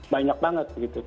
banyak banget begitu